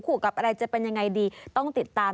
กับอะไรจะเป็นยังไงดีต้องติดตาม